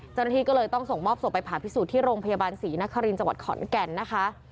เจ้าหน้าที่ก็เลยต้องส่งมอบศพไปผ่าพิสูจน์ที่โรงพยาบาลศรีนครินทร์จังหวัดขอนแก่นนะคะ